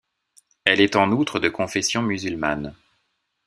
Elle est en outre de confession musulmane.